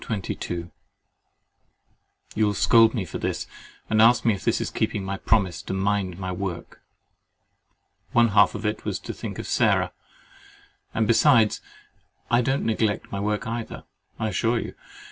—You will scold me for this, and ask me if this is keeping my promise to mind my work. One half of it was to think of Sarah: and besides, I do not neglect my work either, I assure you.